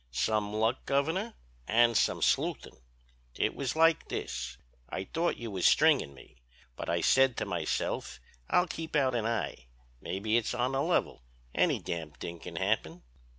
"'Some luck, Governor, and some sleuthin'. It was like this: I thought you was stringin' me. But I said to myself I'll keep out an eye; maybe it's on the level—any damn thing can happen.'